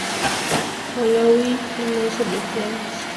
Malaui en las Olimpíadas